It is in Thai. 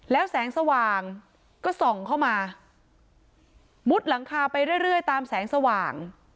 แล้วแสงสว่างก็ส่องเข้ามามุดหลังคาไปเรื่อยตามแสงสว่าง